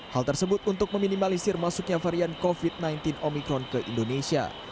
hal tersebut untuk meminimalisir masuknya varian covid sembilan belas omikron ke indonesia